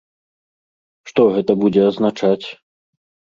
Што гэта будзе азначаць?